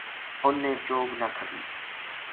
اُنھ نے چوگ نہ کھدی